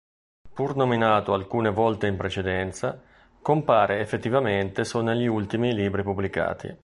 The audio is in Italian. Pur nominato alcune volte in precedenza, compare effettivamente solo negli ultimi libri pubblicati.